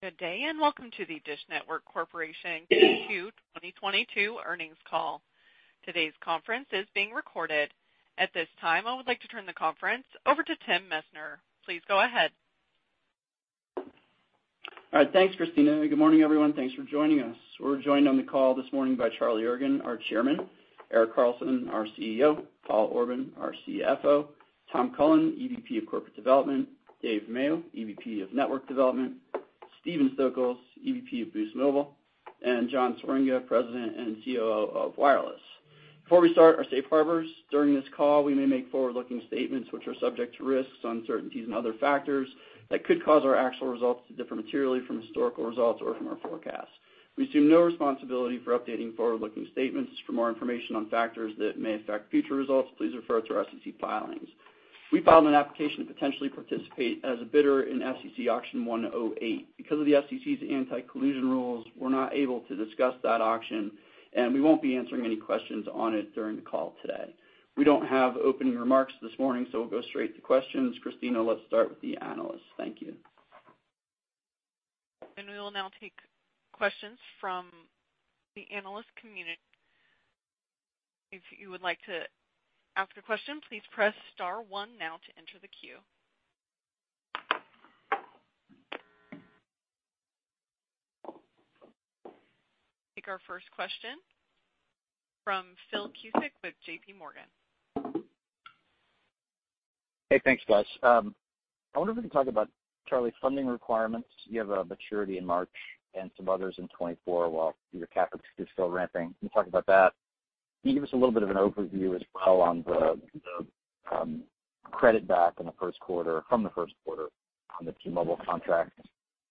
Good day, and welcome to the DISH Network Corporation Q2 2022 earnings call. Today's conference is being recorded. At this time, I would like to turn the conference over to Tim Messner. Please go ahead. All right. Thanks, Christina. Good morning, everyone. Thanks for joining us. We're joined on the call this morning by Charlie Ergen, our Chairman, Erik Carlson, our CEO, Paul Orban, our CFO, Tom Cullen, EVP of Corporate Development, Dave Mayo, EVP of Network Development, Stephen Stokols, EVP of Boost Mobile, and John Swieringa, President and COO of Wireless. Before we start, our safe harbors. During this call, we may make forward-looking statements which are subject to risks, uncertainties, and other factors that could cause our actual results to differ materially from historical results or from our forecasts. We assume no responsibility for updating forward-looking statements. For more information on factors that may affect future results, please refer to our SEC filings. We filed an application to potentially participate as a bidder in FCC Auction 108. Because of the FCC's anti-collusion rules, we're not able to discuss that auction, and we won't be answering any questions on it during the call today. We don't have opening remarks this morning, so we'll go straight to questions. Christina, let's start with the analysts. Thank you. We will now take questions from the analyst community. If you would like to ask a question, please press star one now to enter the queue. Take our first question from Philip Cusick with JPMorgan. Hey, thanks, guys. I wonder if we can talk about, Charlie, funding requirements. You have a maturity in March and some others in 2024 while your CapEx is still ramping. Can you talk about that? Can you give us a little bit of an overview as well on the credit back in the first quarter from the first quarter on the T-Mobile contract?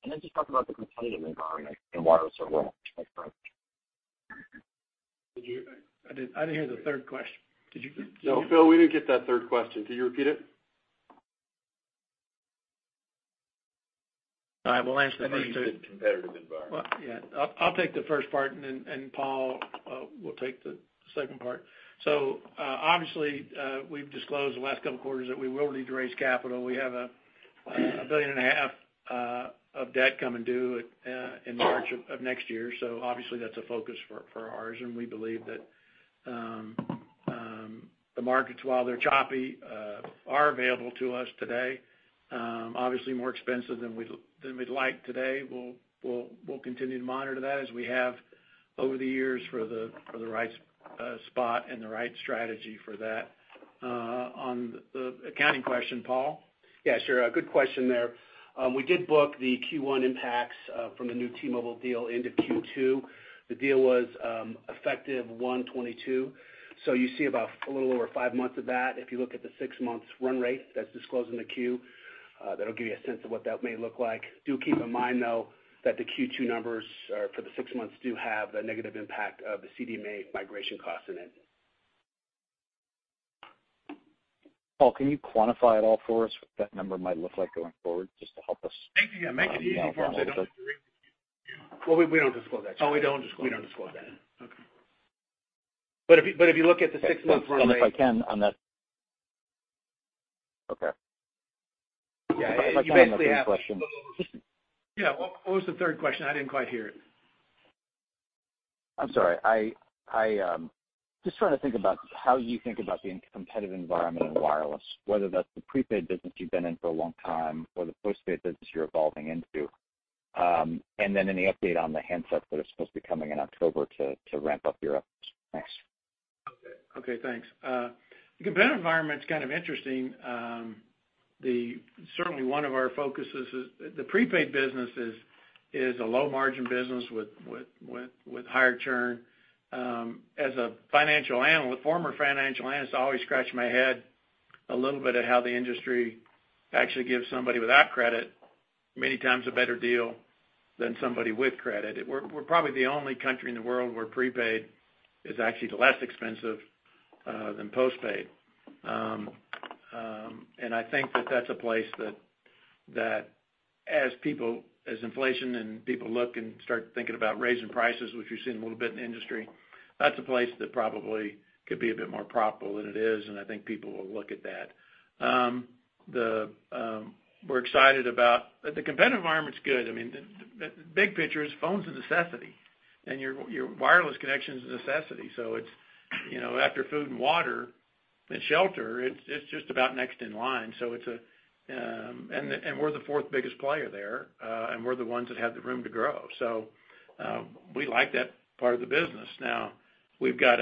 Then just talk about the competitive environment in wireless overall. Thanks very much. I didn't hear the third question. Did you? No, Phil, we didn't get that third question. Can you repeat it? All right, we'll answer the first two. I think he said competitive environment. Well, yeah. I'll take the first part and then Paul will take the second part. Obviously, we've disclosed the last couple of quarters that we will need to raise capital. We have $1.5 billion of debt coming due in March of next year. Obviously that's a focus for ours, and we believe that the markets, while they're choppy, are available to us today. Obviously more expensive than we'd like today. We'll continue to monitor that as we have over the years for the right spot and the right strategy for that. On the accounting question, Paul? Yeah, sure. A good question there. We did book the Q1 impacts from the new T-Mobile deal into Q2. The deal was effective 1/22. So you see about a little over five months of that. If you look at the six months run rate that's disclosed in the Q, that'll give you a sense of what that may look like. Do keep in mind, though, that the Q2 numbers for the six months do have a negative impact of the CDMA migration costs in it. Paul, can you quantify at all for us what that number might look like going forward, just to help us? Maybe you can make it easy for us. I don't agree with you. Well, we don't disclose that, Charlie. Oh, we don't disclose that. We don't disclose that. Okay. If you look at the six months run rate. Okay. Yeah. You basically asked those. Yeah. What was the third question? I didn't quite hear it. I'm sorry. Just trying to think about how you think about the competitive environment in wireless, whether that's the prepaid business you've been in for a long time, or the postpaid business you're evolving into. Any update on the handsets that are supposed to be coming in October to ramp up your efforts. Thanks. Okay. Okay, thanks. The competitive environment's kind of interesting. Certainly, one of our focuses is the prepaid business, is a low margin business with higher churn. As a financial analyst, former financial analyst, I always scratch my head a little bit at how the industry actually gives somebody without credit many times a better deal than somebody with credit. We're probably the only country in the world where prepaid is actually less expensive than postpaid. I think that that's a place that as people, as inflation and people look and start thinking about raising prices, which we've seen a little bit in the industry, that's a place that probably could be a bit more profitable than it is, and I think people will look at that. The competitive environment's good. I mean, the big picture is phones are a necessity, and your wireless connection is a necessity. It's, you know, after food and water and shelter, it's just about next in line. We're the fourth biggest player there, and we're the ones that have the room to grow. We like that part of the business. Now, we've got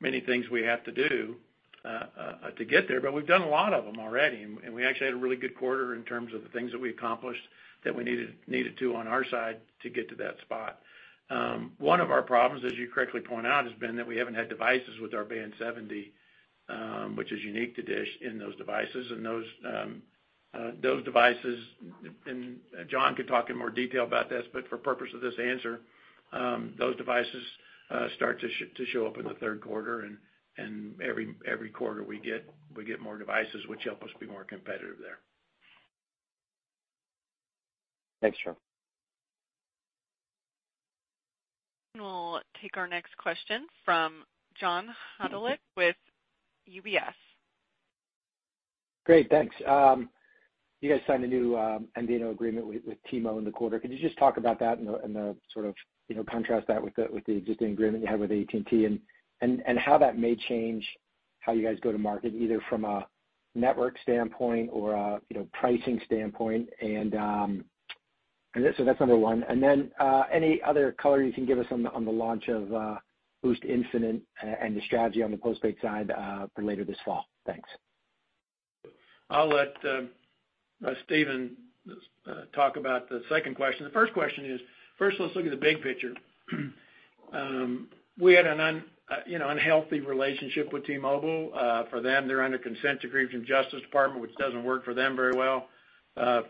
many things we have to do to get there, but we've done a lot of them already. We actually had a really good quarter in terms of the things that we accomplished that we needed to on our side to get to that spot. One of our problems, as you correctly point out, has been that we haven't had devices with our Band 70, which is unique to DISH in those devices. Those devices, and John can talk in more detail about this, but for purpose of this answer, those devices start to show up in the third quarter and every quarter we get more devices, which help us be more competitive there. Thanks, Charlie. We'll take our next question from John Hodulik with UBS. Great, thanks. You guys signed a new MVNO agreement with T-Mobile in the quarter. Could you just talk about that and the sort of, you know, contrast that with the existing agreement you had with AT&T, and how that may change how you guys go to market, either from a network standpoint or a, you know, pricing standpoint, and... That's number one. Any other color you can give us on the launch of Boost Infinite and the strategy on the post-paid side for later this fall. Thanks. I'll let Stephen talk about the second question. The first question is, first let's look at the big picture. We had an unhealthy relationship with T-Mobile. For them, they're under consent decree from Department of Justice, which doesn't work for them very well. The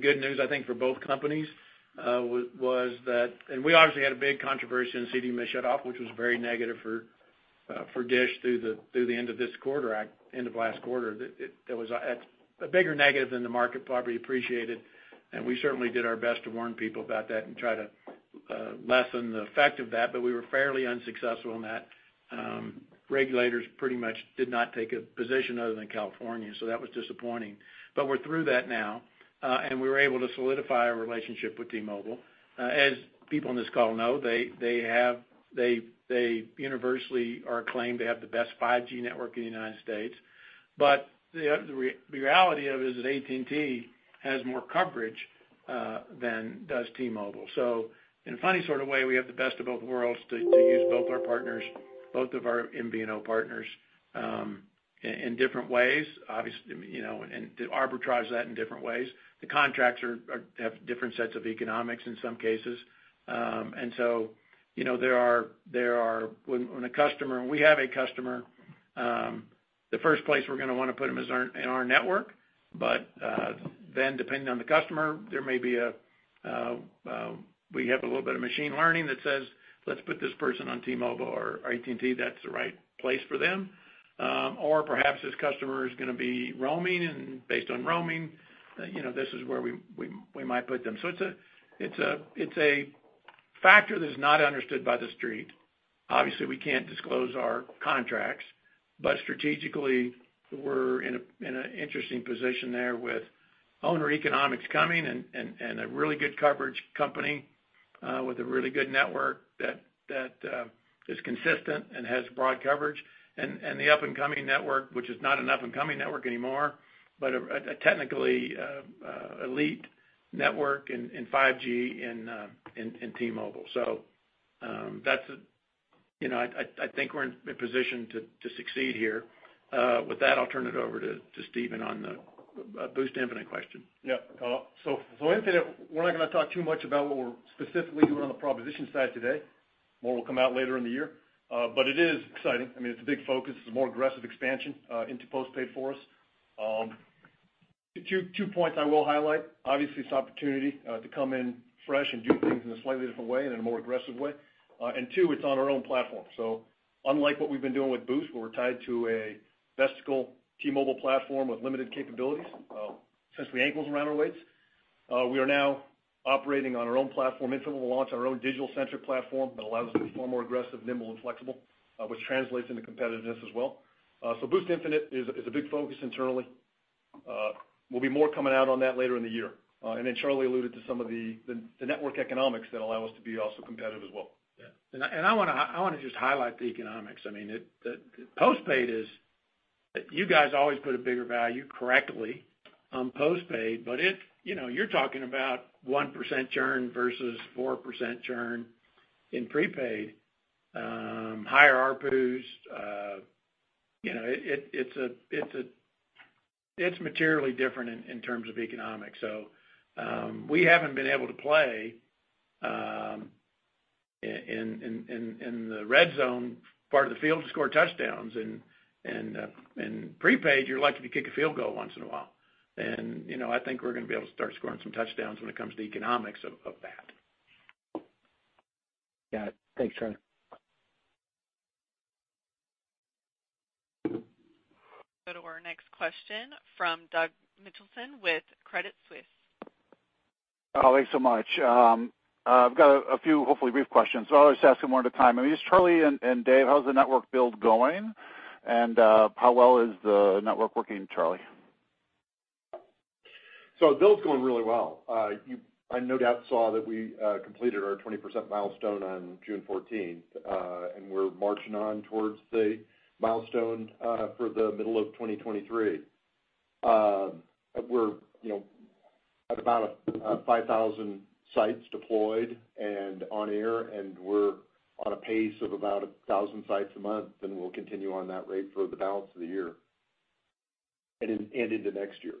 good news, I think, for both companies, was that... We obviously had a big controversy in CDMA shutoff, which was very negative for DISH through the end of this quarter, end of last quarter. It was a bigger negative than the market probably appreciated, and we certainly did our best to warn people about that and try to lessen the effect of that, but we were fairly unsuccessful in that. Regulators pretty much did not take a position other than California, so that was disappointing. We're through that now, and we were able to solidify our relationship with T-Mobile. As people on this call know, they universally are acclaimed to have the best 5G network in the United States. The reality of it is that AT&T has more coverage than does T-Mobile. In a funny sort of way, we have the best of both worlds to use both our partners, both of our MVNO partners, in different ways, obviously, you know, and to arbitrage that in different ways. The contracts have different sets of economics in some cases. When we have a customer, the first place we're gonna wanna put them is in our network. Depending on the customer, we have a little bit of machine learning that says, "Let's put this person on T-Mobile or AT&T, that's the right place for them." Or perhaps this customer is gonna be roaming and based on roaming, you know, this is where we might put them. It's a factor that's not understood by The Street. Obviously, we can't disclose our contracts, but strategically, we're in an interesting position there with roamer economics coming, and a really good coverage company with a really good network that is consistent and has broad coverage. The up-and-coming network, which is not an up-and-coming network anymore, but a technically elite network in 5G in T-Mobile. You know, I think we're in a position to succeed here. With that, I'll turn it over to Stephen on the Boost Infinite question. Yeah. For Infinite, we're not gonna talk too much about what we're specifically doing on the proposition side today. More will come out later in the year. It is exciting. I mean, it's a big focus. It's a more aggressive expansion into post-paid for us. Two points I will highlight. Obviously, it's opportunity to come in fresh and do things in a slightly different way and in a more aggressive way. Two, it's on our own platform. Unlike what we've been doing with Boost, where we're tied to a vestigial T-Mobile platform with limited capabilities, essentially weights around our ankles, we are now operating on our own platform. Infinite will launch on our own digital-centric platform that allows us to be far more aggressive, nimble, and flexible, which translates into competitiveness as well. Boost Infinite is a big focus internally. Will be more coming out on that later in the year. Charlie alluded to some of the network economics that allow us to be also competitive as well. Yeah. I wanna just highlight the economics. I mean, the post-paid is. You guys always put a bigger value correctly on post-paid, but it's, you know, you're talking about 1% churn versus 4% churn in prepaid. Higher ARPU. You know, it's a, it's materially different in terms of economics. We haven't been able to play in the red zone part of the field to score touchdowns. In prepaid, you're lucky to kick a field goal once in a while. You know, I think we're gonna be able to start scoring some touchdowns when it comes to economics of that. Got it. Thanks, Charlie. Go to our next question from Douglas Mitchelson with Credit Suisse. Oh, thanks so much. I've got a few hopefully brief questions. I'll just ask them one at a time. I mean, Charlie and Dave, how's the network build going? How well is the network working, Charlie? The build's going really well. You no doubt saw that we completed our 20% milestone on June 14th, and we're marching on towards the milestone for the middle of 2023. We're, you know, at about 5,000 sites deployed and on air, and we're on a pace of about 1,000 sites a month, and we'll continue on that rate for the balance of the year and into next year.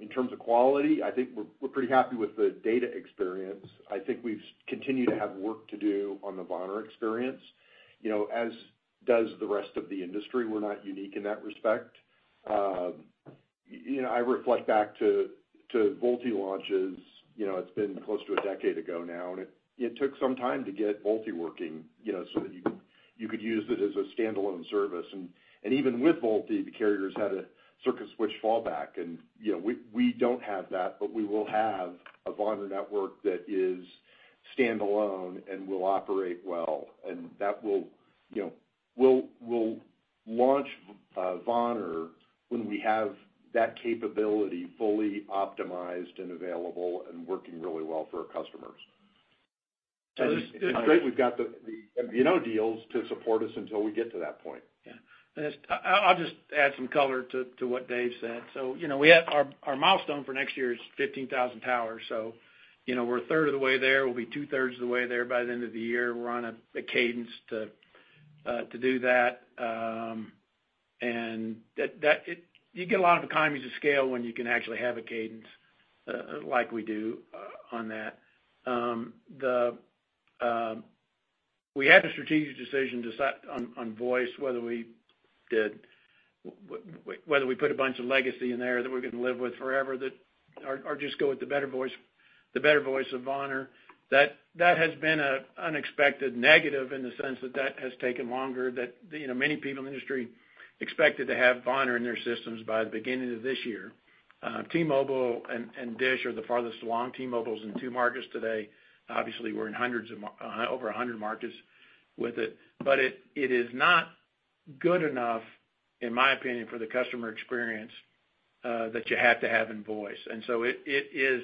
In terms of quality, I think we're pretty happy with the data experience. I think we continue to have work to do on the VoNR experience, you know, as does the rest of the industry, we're not unique in that respect. You know, I reflect back to VoLTE launches, you know. It's been close to a decade ago now, and it took some time to get VoLTE working, you know, so that you could, you could use it as a standalone service. Even with VoLTE, the carriers had a circuit switch fallback. You know, we don't have that, but we will have a VoNR network that is standalone and will operate well. That will, you know, we'll launch VoNR when we have that capability fully optimized and available and working really well for our customers. It's great we've got the MVNO deals to support us until we get to that point. Yeah. I'll just add some color to what Dave said. You know, we had our milestone for next year is 15,000 towers. You know, we're 1/3 of the way there. We'll be 2/3 of the way there by the end of the year. We're on a cadence to do that, and that you get a lot of economies of scale when you can actually have a cadence like we do on that. We had a strategic decision to settle on voice, whether we put a bunch of legacy in there that we're gonna live with forever, or just go with the better voice of VoNR. That has been an unexpected negative in the sense that that has taken longer. That, you know, many people in the industry expected to have VoNR in their systems by the beginning of this year. T-Mobile and DISH are the farthest along. T-Mobile's in two markets today. Obviously, we're in over 100 markets with it. It is not good enough, in my opinion, for the customer experience that you have to have in voice. It is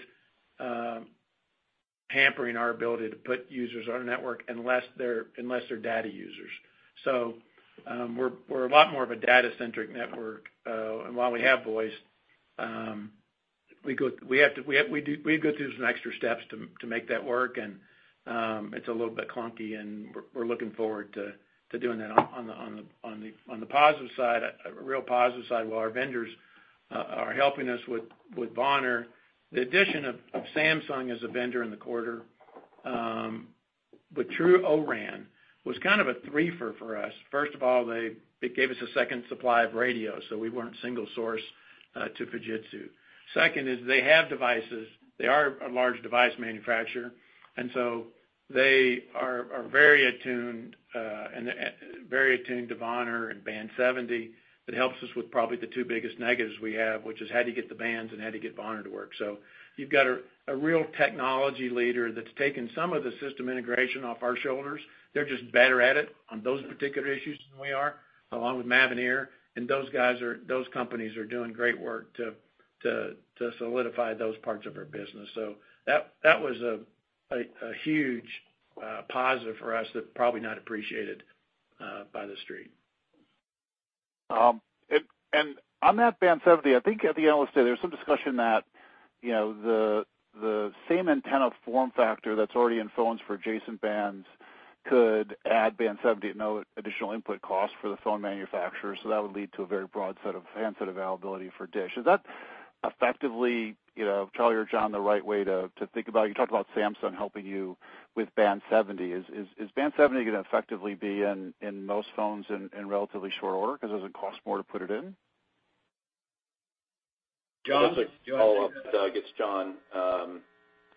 hampering our ability to put users on our network unless they're data users. We're a lot more of a data-centric network. While we have voice, we go through some extra steps to make that work. It's a little bit clunky, and we're looking forward to doing that. On the positive side, a real positive side, while our vendors are helping us with VoNR, the addition of Samsung as a vendor in the quarter with true O-RAN was kind of a threefer for us. First of all, they it gave us a second supply of radio, so we weren't single source to Fujitsu. Second is they have devices. They are a large device manufacturer, and so they are very attuned to VoNR and Band 70. It helps us with probably the two biggest negatives we have, which is how do you get the bands, and how do you get VoNR to work. You've got a real technology leader that's taken some of the system integration off our shoulders. They're just better at it on those particular issues than we are, along with Mavenir. Those companies are doing great work to solidify those parts of our business. That was a huge positive for us that probably not appreciated by the street. On that Band 70, I think I hear the analyst say there's some discussion that, you know, the same antenna form factor that's already in phones for adjacent bands could add Band 70 at no additional upfront costs for the phone manufacturers. So that would lead to a very broad set of handset availability for DISH. Is that effectively, you know, Charlie or John, the right way to think about? You talked about Samsung helping you with Band 70. Is Band 70 gonna effectively be in most phones in relatively short order? Does it cost more to put it in? John? Just a follow-up, Doug. It's John.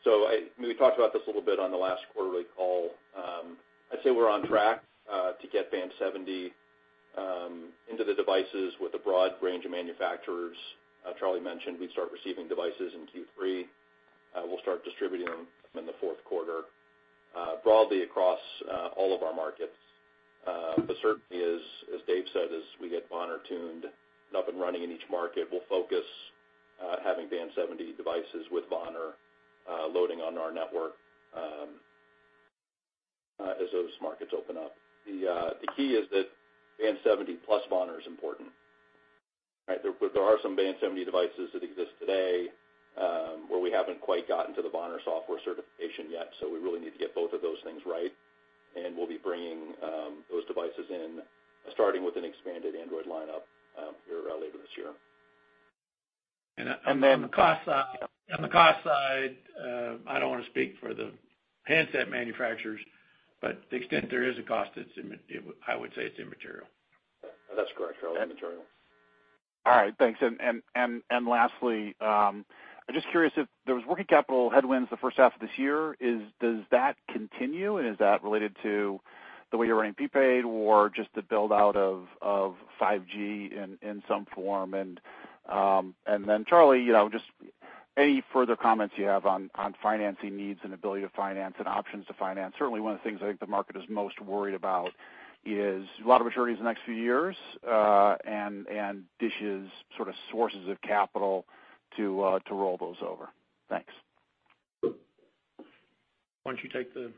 So we talked about this a little bit on the last quarterly call. I'd say we're on track to get Band 70 into the devices with a broad range of manufacturers. Charlie mentioned we'd start receiving devices in Q3. We'll start distributing them in the fourth quarter broadly across all of our markets. The certainty is, as Dave said, as we get VoNR tuned up and running in each market, we'll focus on having Band 70 devices with VoNR loading on our network as those markets open up. The key is that Band 70 plus VoNR is important, right? There are some Band 70 devices that exist today where we haven't quite gotten to the VoNR software certification yet. We really need to get both of those things right. We'll be bringing those devices in, starting with an expanded Android lineup, here later this year. On the cost side, I don't wanna speak for the handset manufacturers, but the extent there is a cost, I would say it's immaterial. That's correct, Charlie. It's immaterial. All right, thanks. Lastly, I'm just curious if there was working capital headwinds the first half of this year, does that continue, and is that related to the way you're running prepaid or just the build out of 5G in some form? Then Charlie, you know, just any further comments you have on financing needs and ability to finance and options to finance. Certainly, one of the things I think the market is most worried about is a lot of maturities in the next few years, and DISH's sort of sources of capital to roll those over. Thanks. Why don't you take the-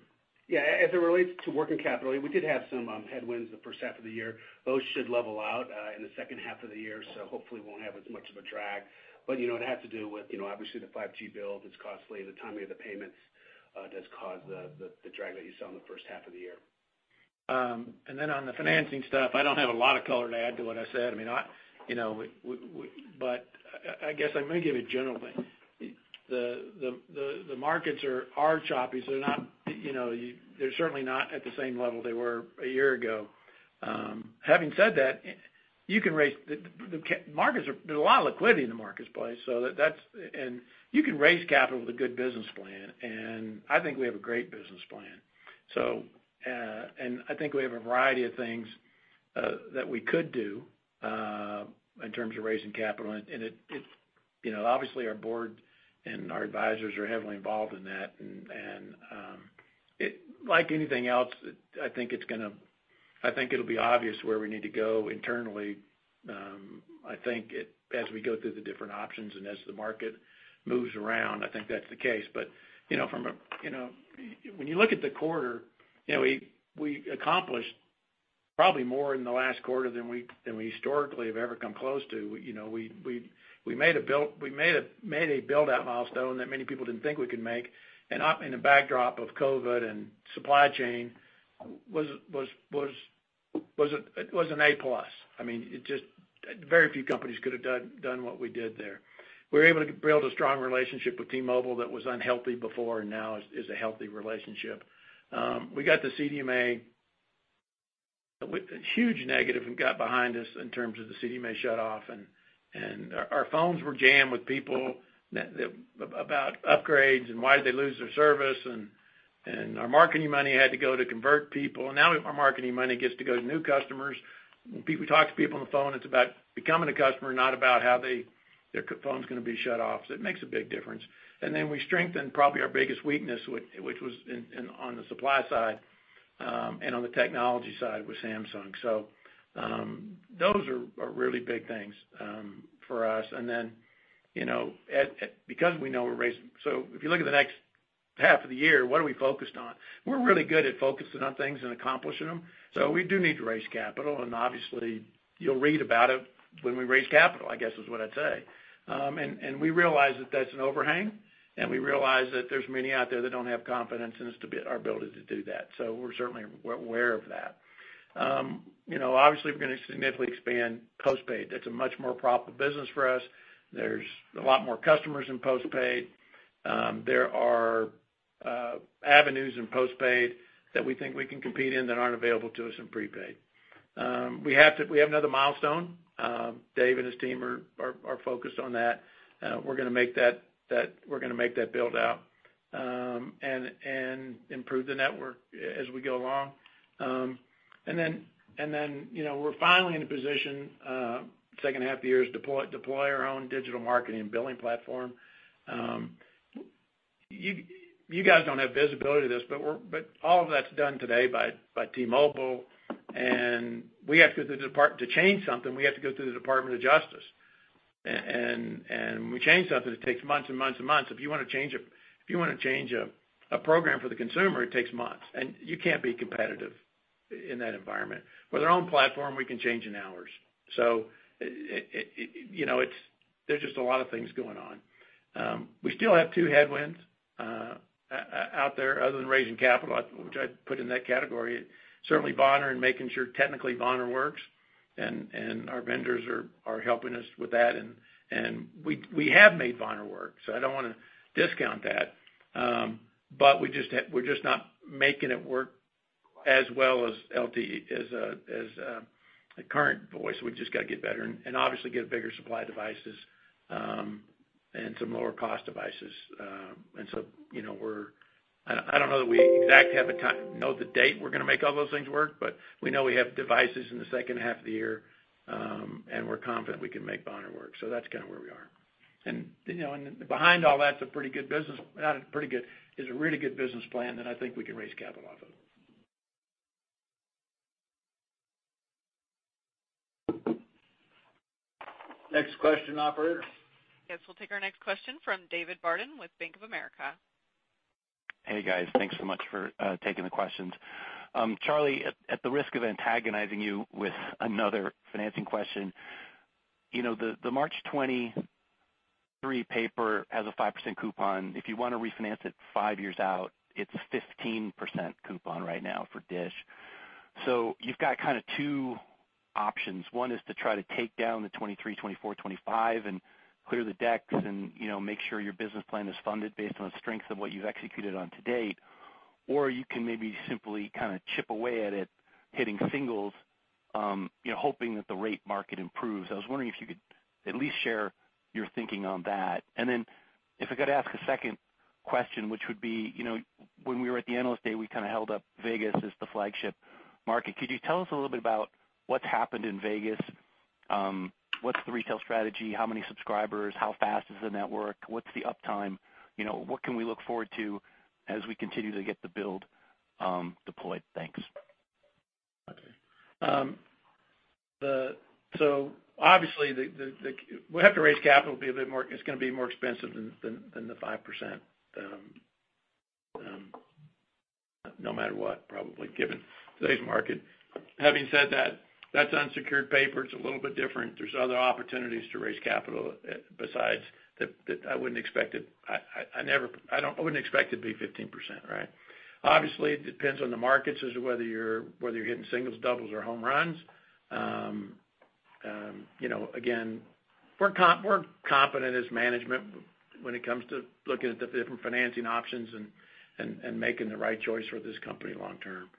Yeah. As it relates to working capital, we did have some headwinds the first half of the year. Those should level out in the second half of the year, so hopefully won't have as much of a drag. You know, it had to do with, you know, obviously the 5G build. It's costly. The timing of the payments does cause the drag that you saw in the first half of the year. On the financing stuff, I don't have a lot of color to add to what I said. I mean, you know, but I guess I may give a general thing. The markets are choppy, so they're not, you know, they're certainly not at the same level they were a year ago. Having said that, there's a lot of liquidity in the marketplace, so you can raise capital with a good business plan, and I think we have a great business plan. I think we have a variety of things that we could do in terms of raising capital. It's, you know, obviously, our board and our advisors are heavily involved in that. Like anything else, I think it'll be obvious where we need to go internally. I think as we go through the different options and as the market moves around, I think that's the case. You know, when you look at the quarter, you know, we accomplished probably more in the last quarter than we historically have ever come close to. You know, we made a build-out milestone that many people didn't think we could make. In the backdrop of COVID and supply chain, it was an A+. I mean, very few companies could have done what we did there. We were able to build a strong relationship with T-Mobile that was unhealthy before and now is a healthy relationship. We got the CDMA with a huge negative and got behind us in terms of the CDMA shutoff, and our phones were jammed with people that about upgrades and why did they lose their service, and our marketing money had to go to convert people. Now our marketing money gets to go to new customers. When people talk to people on the phone, it's about becoming a customer, not about how they, their phone's gonna be shut off, so it makes a big difference. Then we strengthened probably our biggest weakness, which was in on the supply side, and on the technology side with Samsung. Those are really big things for us. You know, because we know we're raising...If you look at the next half of the year, what are we focused on? We're really good at focusing on things and accomplishing them. We do need to raise capital, and obviously, you'll read about it when we raise capital, I guess, is what I'd say. We realize that that's an overhang, and we realize that there's many out there that don't have confidence in our ability to do that. We're certainly aware of that. You know, obviously, we're gonna significantly expand postpaid. That's a much more profitable business for us. There's a lot more customers in postpaid. There are avenues in postpaid that we think we can compete in that aren't available to us in prepaid. We have another milestone. Dave and his team are focused on that. We're gonna make that build out and improve the network as we go along. Then, you know, we're finally in a position, second half of the year to deploy our own digital marketing and billing platform. You guys don't have visibility to this, but all of that's done today by T-Mobile, and we have to go through the Department of Justice to change something. When we change something, it takes months and months and months. If you wanna change a program for the consumer, it takes months, and you can't be competitive in that environment. With our own platform, we can change in hours. You know, there's just a lot of things going on. We still have two headwinds out there other than raising capital, which I'd put in that category. Certainly, VoNR and making sure technically VoNR works, and our vendors are helping us with that. We have made VoNR work, so I don't wanna discount that. But we're just not making it work as well as LTE, as the current voice. We've just gotta get better and obviously get bigger supply devices and some lower cost devices. You know, we're...I don't know that we exactly know the date we're gonna make all those things work, but we know we have devices in the second half of the year, and we're confident we can make VoNR work. That's kinda where we are. You know, behind all that's a pretty good business, not pretty good, is a really good business plan that I think we can raise capital off of. Next question, operator. Yes, we'll take our next question from David Barden with Bank of America. Hey, guys. Thanks so much for taking the questions. Charlie, at the risk of antagonizing you with another financing question, you know, the March 2023 paper has a 5% coupon. If you wanna refinance it 5 years out, it's a 15% coupon right now for DISH. You've got kinda two options. One is to try to take down the 2023, 2024, 2025 and clear the decks and, you know, make sure your business plan is funded based on the strength of what you've executed on to date. Or you can maybe simply kinda chip away at it, hitting singles, you know, hoping that the rate market improves. I was wondering if you could at least share your thinking on that. If I could ask a second question, which would be, you know, when we were at the Analyst Day, we kinda held up Vegas as the flagship market. Could you tell us a little bit about what's happened in Vegas? What's the retail strategy? How many subscribers? How fast is the network? What's the uptime? You know, what can we look forward to as we continue to get the build deployed? Thanks. Okay. Obviously, we have to raise capital. It's gonna be more expensive than 5%, no matter what, probably, given today's market. Having said that, that's unsecured paper. It's a little bit different. There's other opportunities to raise capital. Besides. I wouldn't expect it to be 15%, right? Obviously, it depends on the markets as to whether you're hitting singles, doubles or home runs. You know, again, we're confident as management when it comes to looking at the different financing options and making the right choice for this company long term.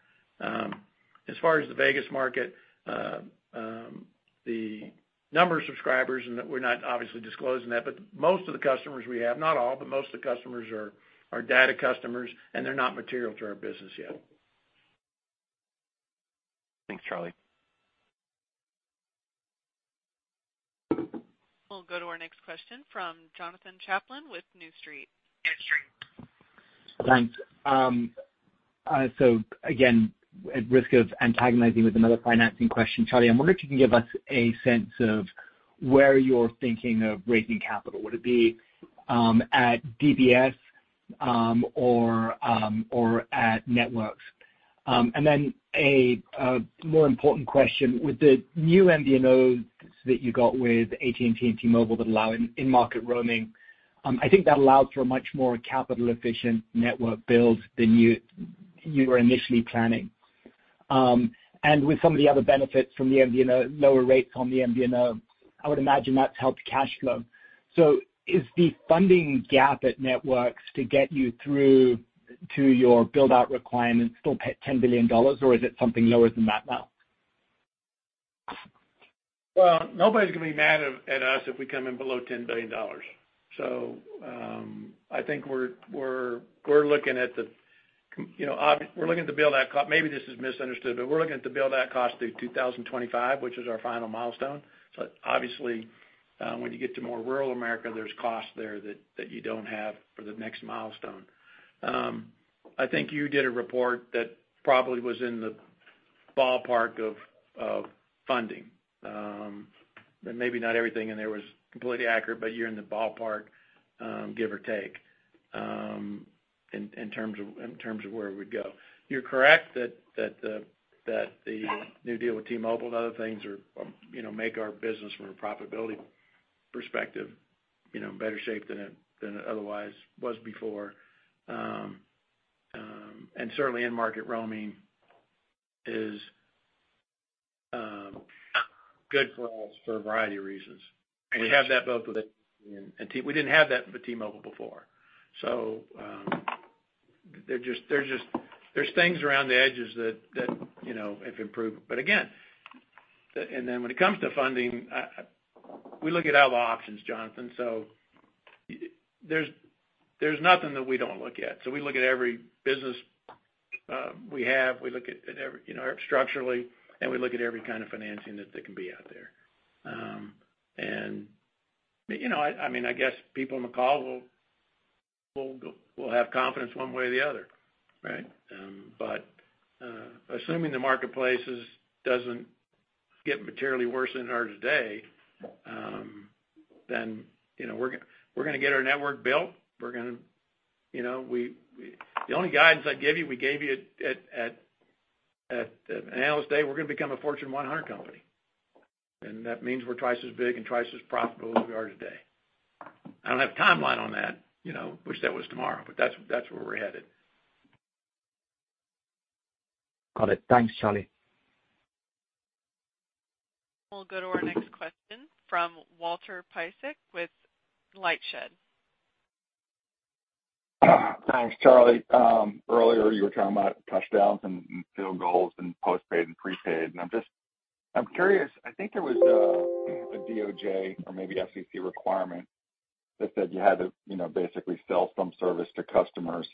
As far as the Vegas market, the number of subscribers, and we're not obviously disclosing that, but most of the customers we have, not all, but most of the customers are data customers, and they're not material to our business yet. Thanks, Charlie. We'll go to our next question from Jonathan Chaplin with New Street. Thanks. Again, at risk of antagonizing with another financing question, Charlie, I wonder if you can give us a sense of where you're thinking of raising capital. Would it be at DBS, or at networks? And then a more important question, with the new MVNOs that you got with AT&T and T-Mobile that allow in-market roaming, I think that allows for a much more capital efficient network build than you were initially planning. And with some of the other benefits from the MVNO, lower rates on the MVNO, I would imagine that's helped cash flow. Is the funding gap at networks to get you through to your build-out requirements still at $10 billion, or is it something lower than that now? Well, nobody's gonna be mad at us if we come in below $10 billion. I think we're looking to build out cost through 2025, which is our final milestone. You know, maybe this is misunderstood, but we're looking to build out cost through 2025, which is our final milestone. Obviously, when you get to more rural America, there's costs there that you don't have for the next milestone. I think you did a report that probably was in the ballpark of funding. But maybe not everything in there was completely accurate, but you're in the ballpark, give or take, in terms of where we'd go. You're correct that the new deal with T-Mobile and other things are you know make our business from a profitability perspective you know in better shape than it otherwise was before. Certainly in-market roaming is good for us for a variety of reasons. We have that both with AT&T and T-Mobile. We didn't have that with T-Mobile before. There's just things around the edges that you know have improved. Again, when it comes to funding, we look at all the options, Jonathan. There's nothing that we don't look at. We look at every business we have, we look at every you know structurally, and we look at every kind of financing that can be out there. I mean, I guess people on the call will have confidence one way or the other, right? But assuming the marketplace doesn't get materially worse than it is today, then you know, we're gonna get our network built. We're gonna get our network built. You know, the only guidance we gave you at Analyst Day, we're gonna become a Fortune 100 company. That means we're twice as big and twice as profitable as we are today. I don't have a timeline on that, you know. I wish that was tomorrow, but that's where we're headed. Got it. Thanks, Charlie. We'll go to our next question from Walter Piecyk with LightShed. Thanks, Charlie. Earlier, you were talking about touchdowns and field goals and postpaid and prepaid, and I'm curious. I think there was a DOJ or maybe FCC requirement that said you had to, you know, basically sell some service to customers.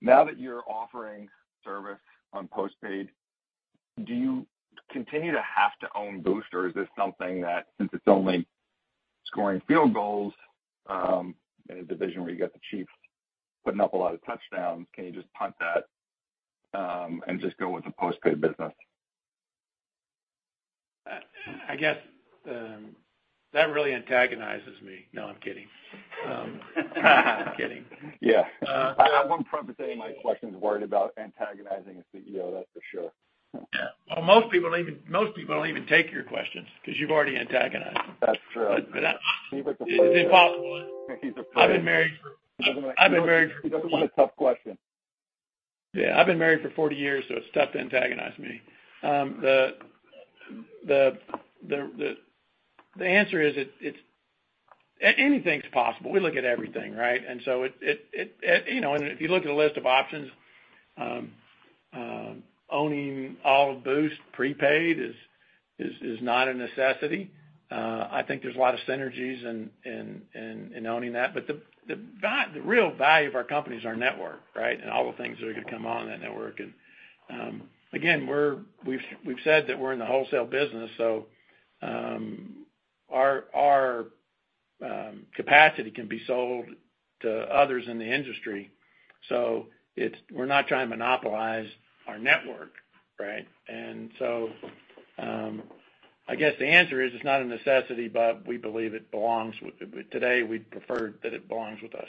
Now that you're offering service on postpaid, do you continue to have to own Boost? Or is this something that since it's only scoring field goals in a division where you got the Chiefs putting up a lot of touchdowns, can you just punt that and just go with the postpaid business? I guess that really antagonizes me. No, I'm kidding. I'm kidding. Yeah. I wouldn't front saying my question is worried about antagonizing a CEO, that's for sure. Yeah. Well, most people don't even take your questions because you've already antagonized them. That's true. But, but that- He's like the- It's impossible. He's a pro. I've been married for. He doesn't want a tough question. Yeah. I've been married for 40 years, so it's tough to antagonize me. The answer is it's anything's possible. We look at everything, right? You know, and if you look at a list of options, owning all of Boost prepaid is not a necessity. I think there's a lot of synergies in owning that. The real value of our company is our network, right? All the things that are gonna come on that network. Again, we've said that we're in the wholesale business, so our capacity can be sold to others in the industry. We're not trying to monopolize our network, right? I guess the answer is, it's not a necessity, but we believe it belongs with us. Today, we'd prefer that it belongs with us.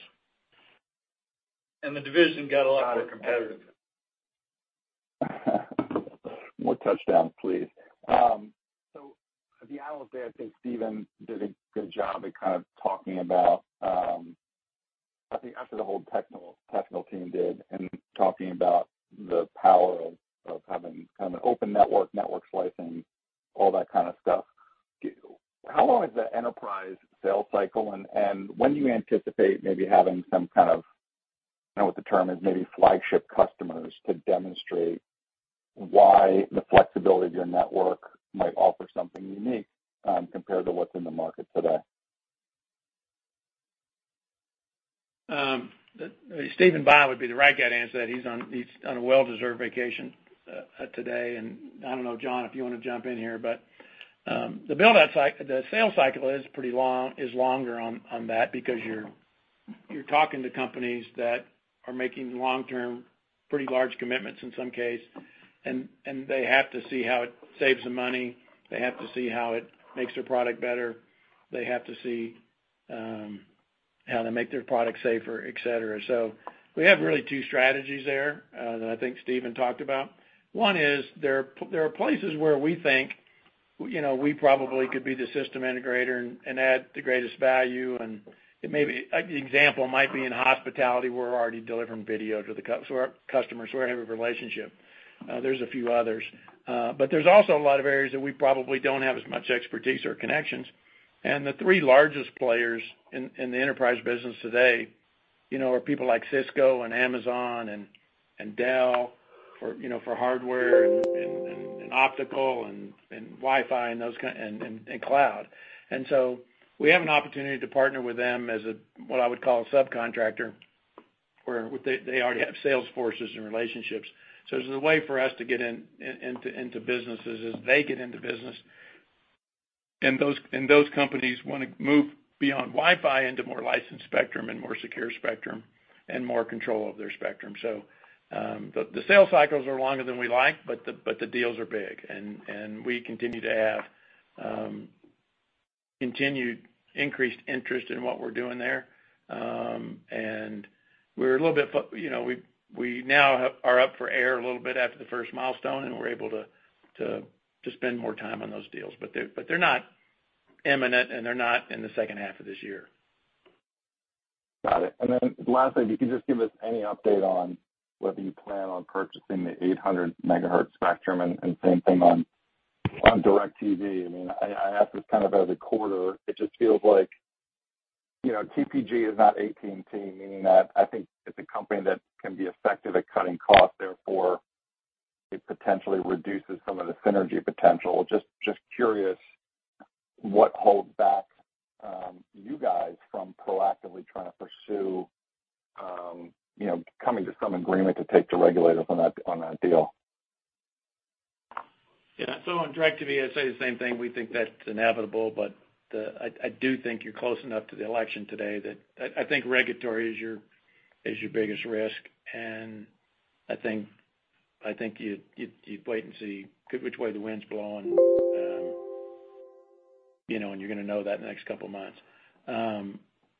The division got a lot of competitors. More touchdowns, please. At the Analyst Day, I think Stephen did a good job at kind of talking about, I think after the whole technical team did, in talking about the power of having kind of an open network slicing, all that kind of stuff, how long is the enterprise sales cycle? When do you anticipate maybe having some kind of, I don't know what the term is, maybe flagship customers to demonstrate why the flexibility of your network might offer something unique, compared to what's in the market today? Stephen Bye would be the right guy to answer that. He's on a well-deserved vacation today. I don't know, John, if you wanna jump in here. The sales cycle is pretty long, is longer on that because you're talking to companies that are making long-term, pretty large commitments in some case, and they have to see how it saves them money. They have to see how it makes their product better. They have to see how they make their product safer, et cetera. We have really two strategies there that I think Stephen talked about. One is there are places where we think, you know, we probably could be the system integrator and add the greatest value, and it may be. An example might be in hospitality. We're already delivering video to our customers. We already have a relationship. There's a few others. But there's also a lot of areas that we probably don't have as much expertise or connections. The three largest players in the enterprise business today, you know, are people like Cisco and Amazon and Dell for hardware and optical and Wi-Fi and cloud. We have an opportunity to partner with them as a, what I would call a subcontractor, where they already have sales forces and relationships. It's a way for us to get into businesses as they get into business, and those companies wanna move beyond Wi-Fi into more licensed spectrum and more secure spectrum and more control of their spectrum. The sales cycles are longer than we like, but the deals are big and we continue to have continued increased interest in what we're doing there. We're a little bit you know, we now are up for air a little bit after the first milestone, and we're able to spend more time on those deals. They're not imminent, and they're not in the second half of this year. Got it. Last thing, if you could just give us any update on whether you plan on purchasing the 800 MHz spectrum, and same thing on DirecTV. I mean, I ask this kind of every quarter. It just feels like, you know, TPG is not AT&T, meaning that I think it's a company that can be effective at cutting costs, therefore it potentially reduces some of the synergy potential. Just curious what holds back, you guys, from proactively trying to pursue, you know, coming to some agreement to take to regulators on that deal. Yeah. On DirecTV, I say the same thing. We think that's inevitable. I do think you're close enough to the election today that I think regulatory is your biggest risk. I think you'd wait and see which way the wind's blowing. You know, you're gonna know that in the next couple of months.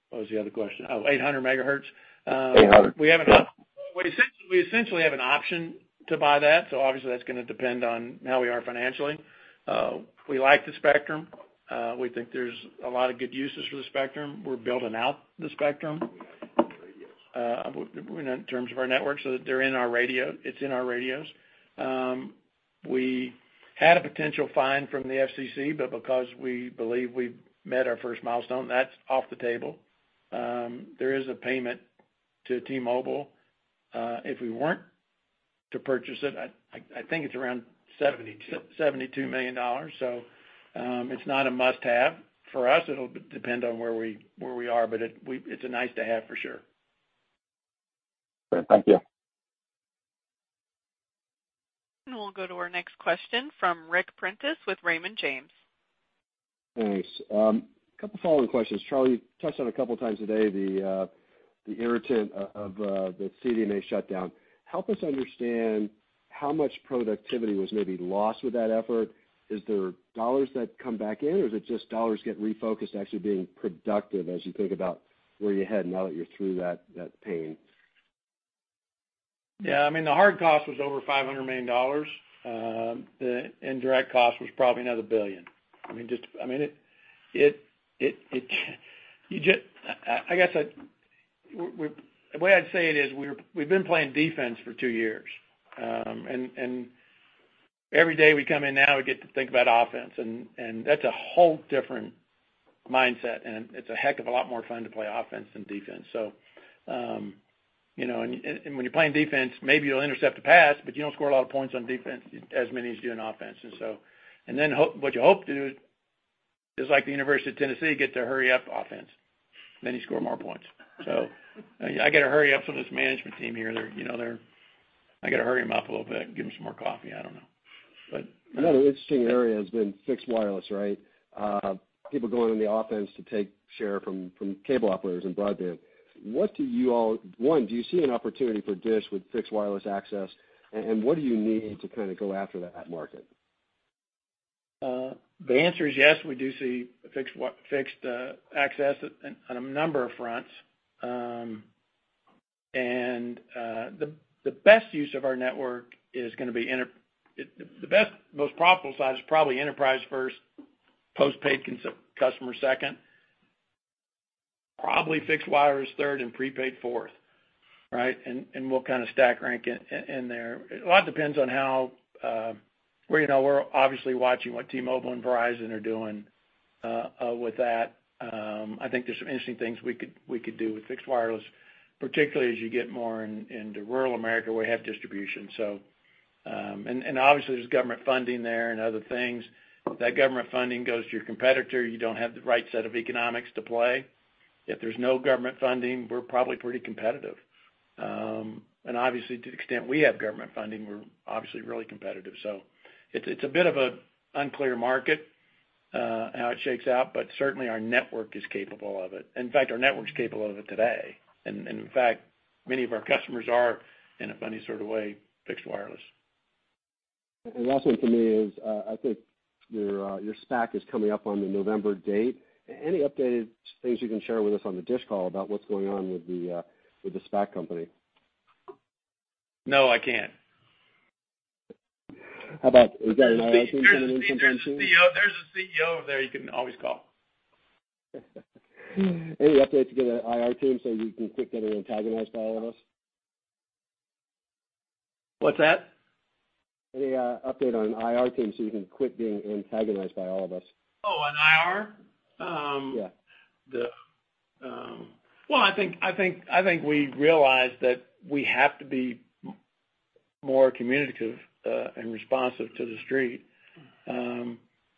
What was the other question? Oh, 800 megahertz. 800. We essentially have an option to buy that. Obviously, that's gonna depend on how we are financially. We like the spectrum. We think there's a lot of good uses for the spectrum. We're building out the spectrum in terms of our network, so that they're in our radio. It's in our radios. We had a potential fine from the FCC, but because we believe we've met our first milestone, that's off the table. There is a payment to T-Mobile if we weren't to purchase it. I think it's around $72 million. It's not a must-have for us. It'll depend on where we are, but it's a nice to have for sure. Great. Thank you. We'll go to our next question from Ric Prentiss with Raymond James. Thanks. A couple follow-up questions. Charlie, you touched on a couple of times today the irritant of the CDMA shutdown. Help us understand how much productivity was maybe lost with that effort. Is there dollars that come back in, or is it just dollars get refocused actually being productive as you think about where you're headed now that you're through that pain? Yeah. I mean, the hard cost was over $500 million. The indirect cost was probably another $1 billion. I mean, the way I'd say it is we've been playing defense for two years. Every day we come in now, we get to think about offense, and that's a whole different mindset, and it's a heck of a lot more fun to play offense than defense. You know, when you're playing defense, maybe you'll intercept a pass, but you don't score a lot of points on defense as many as you do on offense. What you hope to do is, like the University of Tennessee, get to hurry up offense, then you score more points. I gotta hurry up some of this management team here. They're, you know, I gotta hurry them up a little bit, give them some more coffee. I don't know. But- Another interesting area has been fixed wireless, right? People going on the offense to take share from cable operators and broadband. One, do you see an opportunity for DISH with fixed wireless access, and what do you need to kinda go after that market? The answer is yes, we do see fixed access on a number of fronts. The best, most profitable side is probably enterprise first, postpaid customer second, probably fixed wireless third, and prepaid fourth, right? We'll kind of stack rank it in there. A lot depends on how. You know, we're obviously watching what T-Mobile and Verizon are doing with that. I think there's some interesting things we could do with fixed wireless, particularly as you get more into rural America where we have distribution. Obviously, there's government funding there and other things. If that government funding goes to your competitor, you don't have the right set of economics to play. If there's no government funding, we're probably pretty competitive. Obviously, to the extent we have government funding, we're obviously really competitive. It's a bit of an unclear market how it shakes out, but certainly our network is capable of it. In fact, our network's capable of it today. In fact, many of our customers are, in a funny sort of way, fixed wireless. Last one for me is, I think your SPAC is coming up on the November date. Any updated things you can share with us on the DISH call about what's going on with the SPAC company? No, I can't. How about, is that an IR team kind of information? There's a CEO there you can always call. Any updates to get an IR team so you can quit getting antagonized by all of us? What's that? Any update on IR team so you can quit being antagonized by all of us? Oh, on IR? Yeah. Well, I think we realize that we have to be more communicative and responsive to the Street.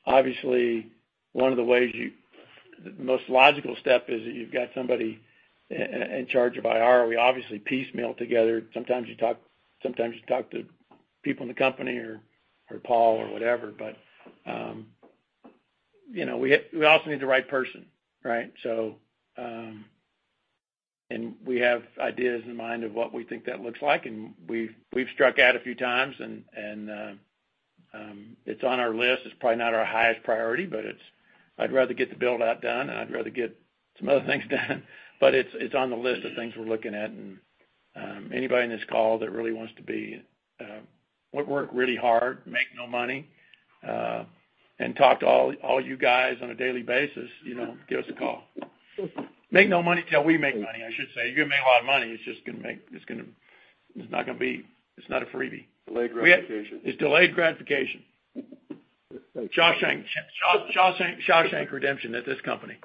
Obviously, the most logical step is that you've got somebody in charge of IR. We obviously piecemeal together. Sometimes you talk, sometimes you talk to people in the company or Paul or whatever. You know, we also need the right person, right? We have ideas in mind of what we think that looks like, and we've struck out a few times and it's on our list. It's probably not our highest priority, but I'd rather get the build-out done, and I'd rather get some other things done, but it's on the list of things we're looking at. Anybody in this call that really wants to be would work really hard, make no money, and talk to all you guys on a daily basis, you know, give us a call. Make no money till we make money, I should say. You're gonna make a lot of money. It's just gonna. It's not gonna be a freebie. Delayed gratification. It's delayed gratification. Shawshank Redemption at this company.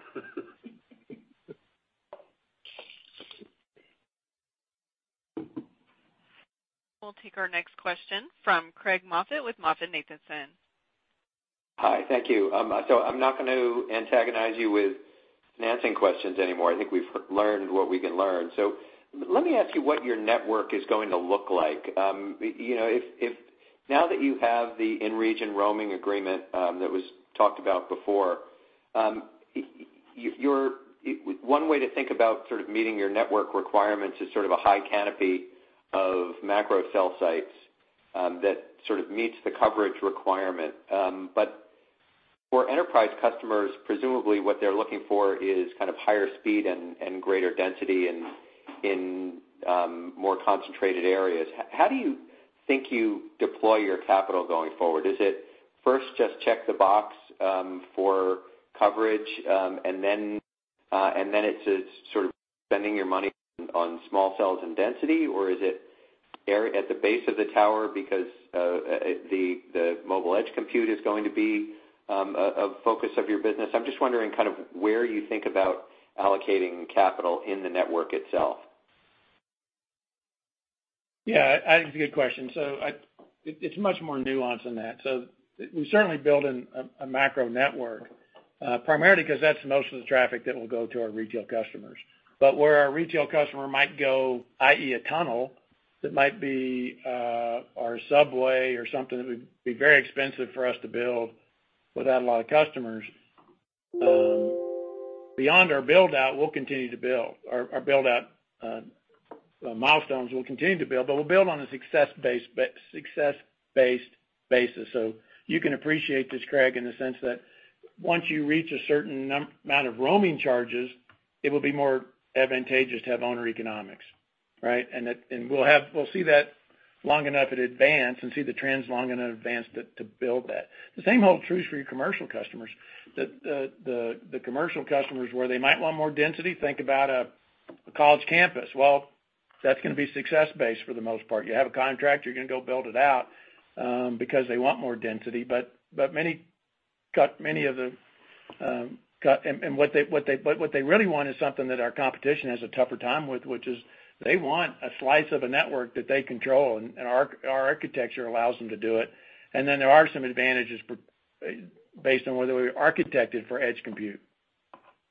We'll take our next question from Craig Moffett with MoffettNathanson. Hi. Thank you. I'm not gonna antagonize you with financing questions anymore. I think we've learned what we can learn. Let me ask you what your network is going to look like. You know, if now that you have the in-region roaming agreement that was talked about before, one way to think about sort of meeting your network requirements is sort of a high canopy of macro cell sites that sort of meets the coverage requirement. For enterprise customers, presumably what they're looking for is kind of higher speed and greater density in more concentrated areas. How do you think you deploy your capital going forward? Is it first just check the box for coverage, and then it's just sort of spending your money on small cells and density? Is it at the base of the tower because the mobile edge compute is going to be a focus of your business? I'm just wondering kind of where you think about allocating capital in the network itself. Yeah. I think it's a good question. It's much more nuanced than that. We're certainly building a macro network, primarily 'cause that's most of the traffic that will go to our retail customers. Where our retail customer might go, i.e., a tunnel, or a subway, or something that would be very expensive for us to build without a lot of customers, beyond our build-out, we'll continue to build. Our build-out milestones will continue to build, but we'll build on a success-based basis. You can appreciate this, Craig, in the sense that once you reach a certain amount of roaming charges, it will be more advantageous to have own economics, right? We'll see that long enough in advance and see the trends long enough in advance to build that. The same holds true for your commercial customers. The commercial customers where they might want more density, think about a college campus. Well, that's gonna be success based for the most part. You have a contract, you're gonna go build it out, because they want more density. But many of the, and what they really want is something that our competition has a tougher time with, which is they want a slice of a network that they control, and our architecture allows them to do it. Then there are some advantages for, based on the way we architected for edge compute,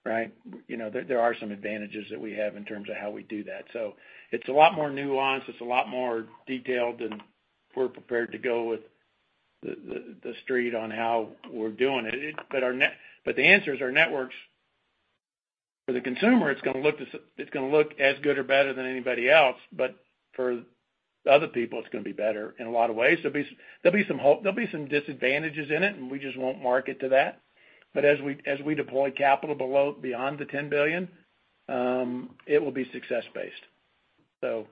right? You know, there are some advantages that we have in terms of how we do that. It's a lot more nuanced. It's a lot more detailed than we're prepared to go with the Street on how we're doing it. The answer is our networks for the consumer. It's gonna look as good or better than anybody else. For other people, it's gonna be better in a lot of ways. There'll be some disadvantages in it, and we just won't market to that. As we deploy capital beyond the $10 billion, it will be success based.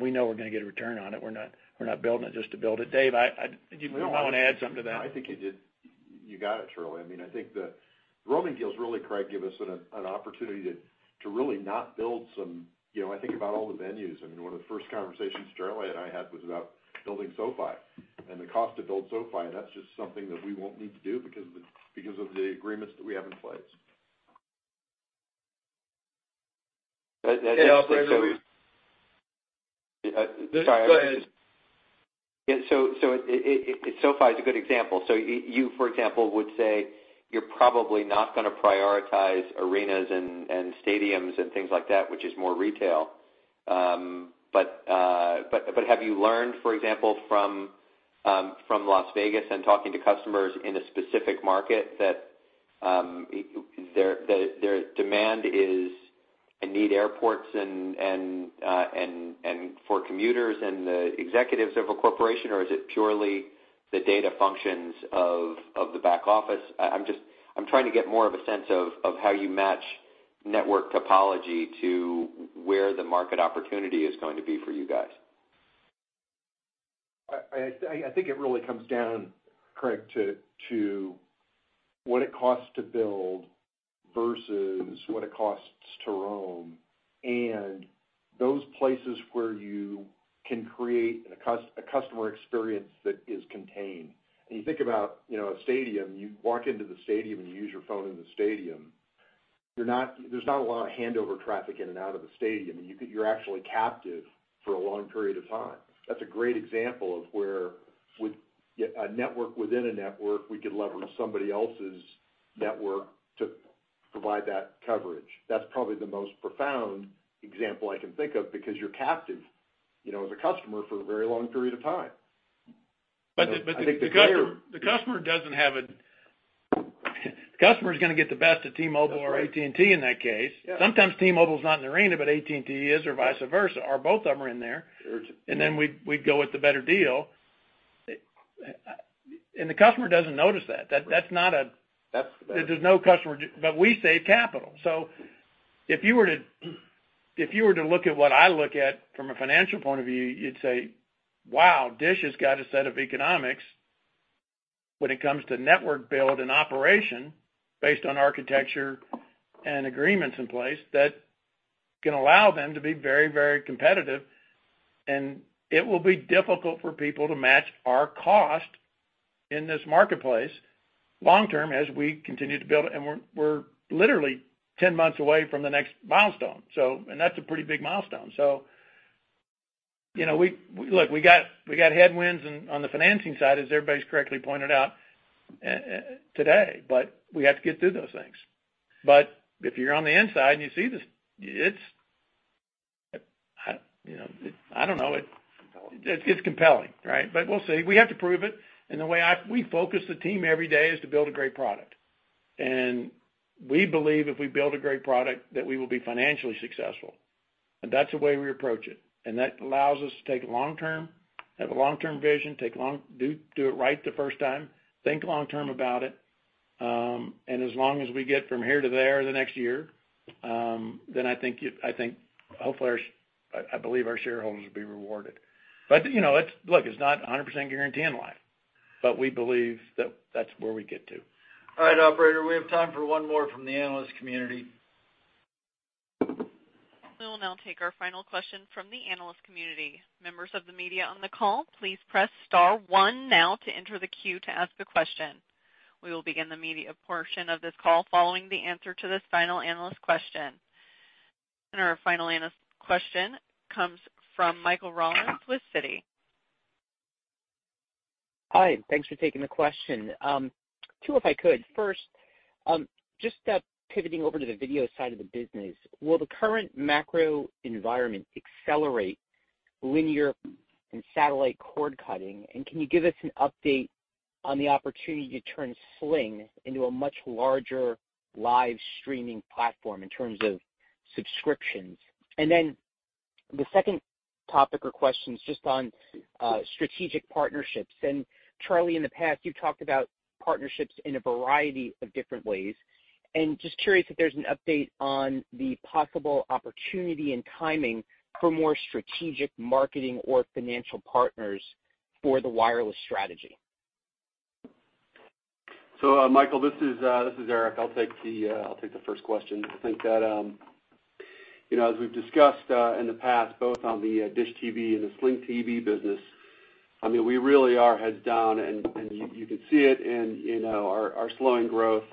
We know we're gonna get a return on it. We're not building it just to build it. Dave, I... Do you want to add something to that? No, I think you got it, Charlie. I mean, I think the roaming deals really, Craig, give us an opportunity to really not build some, you know, I think about all the venues. I mean, one of the first conversations Charlie and I had was about building SoFi and the cost to build SoFi. That's just something that we won't need to do because of the agreements that we have in place. Hey, operator. I think so. Go ahead. Sorry. Yeah, SoFi is a good example. You, for example, would say you're probably not gonna prioritize arenas and stadiums and things like that, which is more retail. But have you learned, for example, from Las Vegas and talking to customers in a specific market that their demand is, I need airports and for commuters and the executives of a corporation, or is it purely the data functions of the back office? I'm just trying to get more of a sense of how you match network topology to where the market opportunity is going to be for you guys. I think it really comes down, Craig, to what it costs to build versus what it costs to roam and those places where you can create a customer experience that is contained. You think about, you know, a stadium, you walk into the stadium, and you use your phone in the stadium. There's not a lot of handover traffic in and out of the stadium. You're actually captive for a long period of time. That's a great example of where with a network within a network, we could leverage somebody else's network to provide that coverage. That's probably the most profound example I can think of because you're captive, you know, as a customer for a very long period of time. The customer is gonna get the best of T-Mobile or AT&T in that case. Yeah. Sometimes T-Mobile is not in the arena, but AT&T is, or vice versa, or both of them are in there. Sure. We go with the better deal. The customer doesn't notice that. That's not a...There's no customer. We save capital. If you were to look at what I look at from a financial point of view, you'd say, "Wow, DISH has got a set of economics when it comes to network build and operation based on architecture and agreements in place that can allow them to be very, very competitive." It will be difficult for people to match our cost in this marketplace long term as we continue to build. We're literally 10 months away from the next milestone. That's a pretty big milestone. You know, look, we got headwinds on the financing side, as everybody's correctly pointed out, today, but we have to get through those things. If you're on the inside and you see this, it's, you know, I don't know. It's compelling, right? We'll see. We have to prove it. The way we focus the team every day is to build a great product. We believe if we build a great product, that we will be financially successful. That's the way we approach it. That allows us to take long term, have a long-term vision, do it right the first time, think long term about it. As long as we get from here to there the next year, then I think, hopefully, I believe our shareholders will be rewarded. You know, it's not 100% guarantee in life, but we believe that that's where we get to. All right, operator, we have time for one more from the analyst community. We will now take our final question from the analyst community. Members of the media on the call, please press star one now to enter the queue to ask a question. We will begin the media portion of this call following the answer to this final analyst question. Our final analyst question comes from Michael Rollins with Citi. Hi, thanks for taking the question. Two, if I could. First, just pivoting over to the video side of the business, will the current macro environment accelerate linear and satellite cord cutting? Can you give us an update on the opportunity to turn Sling into a much larger live streaming platform in terms of subscriptions? Then the second topic or question is just on strategic partnerships. Charlie, in the past, you've talked about partnerships in a variety of different ways. Just curious if there's an update on the possible opportunity and timing for more strategic marketing or financial partners for the wireless strategy. Michael, this is Erik. I'll take the first question. I think that, you know, as we've discussed, in the past, both on the DISH TV and the Sling TV business, I mean, we really are heads down, and you can see it in, you know, our slowing growth,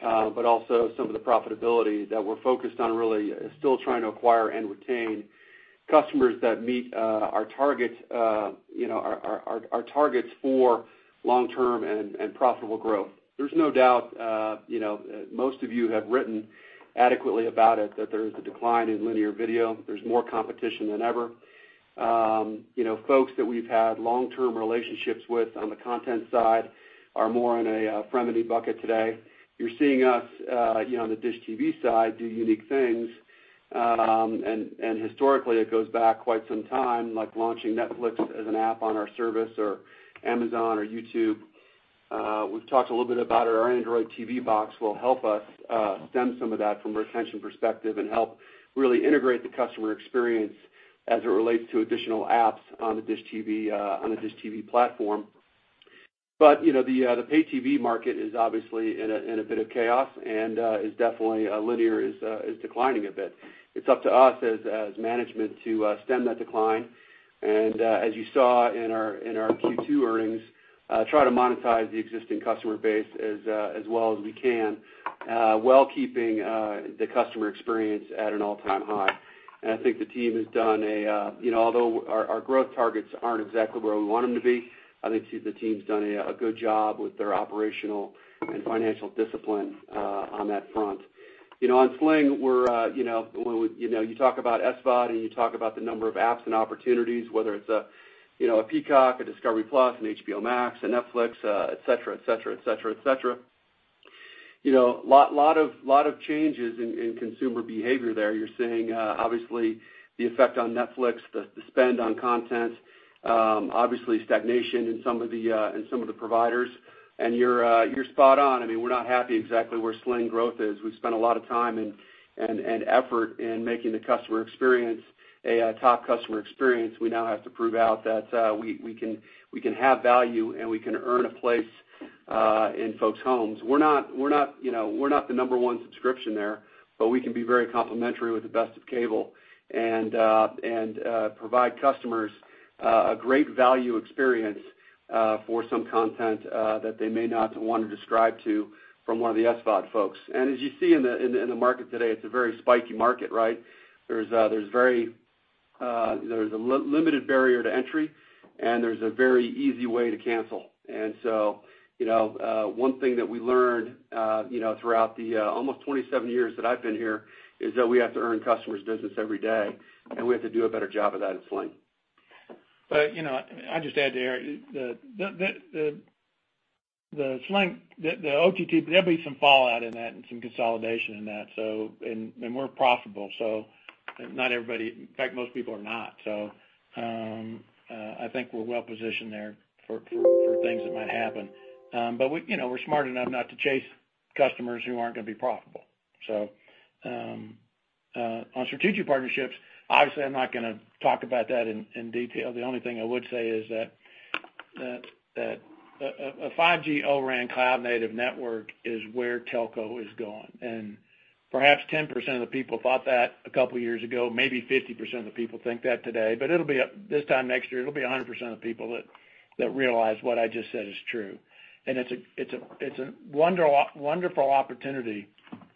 but also some of the profitability that we're focused on really still trying to acquire and retain customers that meet, our targets, you know, our targets for long-term and profitable growth. There's no doubt, you know, most of you have written adequately about it, that there is a decline in linear video. There's more competition than ever. You know, folks that we've had long-term relationships with on the content side are more in a frenemy bucket today. You're seeing us, you know, on the DISH TV side, do unique things. Historically, it goes back quite some time, like launching Netflix as an app on our service or Amazon or YouTube. We've talked a little bit about our Android TV box will help us, stem some of that from a retention perspective and help really integrate the customer experience as it relates to additional apps on the DISH TV, on the DISH TV platform. You know, the pay TV market is obviously in a bit of chaos and is definitely linear is declining a bit. It's up to us as management to stem that decline, and as you saw in our Q2 earnings, try to monetize the existing customer base as well as we can, while keeping the customer experience at an all-time high. I think the team has done a, you know although our growth targets aren't exactly where we want them to be, I think too the team's done a good job with their operational and financial discipline on that front. You know on Sling we're, you know, when, you know, you talk about SVOD and you talk about the number of apps and opportunities whether it's a, you know, a Peacock, a Discovery+, an HBO Max, a Netflix, et cetera. You know, lot of changes in consumer behavior there. You're seeing obviously the effect on Netflix, the spend on content, obviously stagnation in some of the providers. You're spot on. I mean, we're not happy exactly where Sling growth is. We've spent a lot of time and effort in making the customer experience a top customer experience. We now have to prove out that we can have value, and we can earn a place in folks' homes. We're not, you know, the number one subscription there, but we can be very complementary with the best of cable and provide customers a great value experience for some content that they may not wanna subscribe to from one of the SVOD folks. As you see in the market today, it's a very spiky market, right? There's a limited barrier to entry, and there's a very easy way to cancel. You know, one thing that we learned, you know, throughout the almost 27 years that I've been here is that we have to earn customers' business every day, and we have to do a better job of that at Sling. You know, I'd just add to Erik Carlson, the Sling, the OTT, there'll be some fallout in that and some consolidation in that. We're profitable, so not everybody, in fact, most people are not. I think we're well positioned there for things that might happen. You know, we're smart enough not to chase customers who aren't gonna be profitable. On strategic partnerships, obviously I'm not gonna talk about that in detail. The only thing I would say is that a 5G O-RAN cloud-native network is where telco is going. Perhaps 10% of the people thought that a couple years ago, maybe 50% of the people think that today. It'll be this time next year, it'll be 100% of the people that realize what I just said is true. It's a wonderful opportunity,